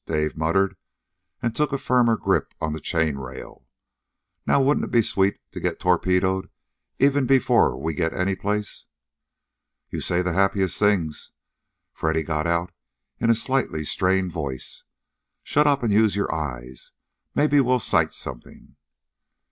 Dave muttered, and took a firmer grip on the chain rail. "Now, wouldn't it be sweet to get torpedoed even before we get any place?" "You say the happiest things!" Freddy got out in a slightly strained voice. "Shut up, and use your eyes. Maybe we'll sight something."